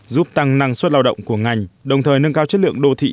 giúp tăng năng suất lao động của ngành đồng thời nâng cao chất lượng đô thị